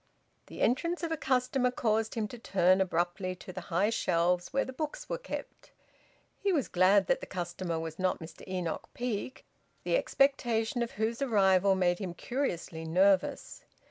The entrance of a customer caused him to turn abruptly to the high shelves where the books were kept. He was glad that the customer was not Mr Enoch Peake, the expectation of whose arrival made him curiously nervous.